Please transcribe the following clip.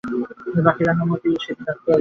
বাকি রান্না মতি সেদিন রাঁধিতে পারল না।